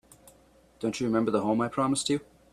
Don't you remember the home I promised you?